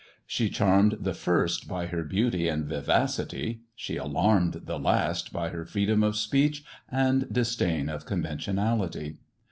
She charmed the first by her beauty and vivacity ; she alarmed the last by her freedom of speech and disdain of conventionality.